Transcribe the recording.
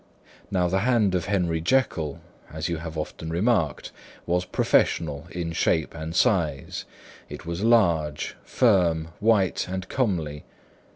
Now the hand of Henry Jekyll (as you have often remarked) was professional in shape and size; it was large, firm, white and comely.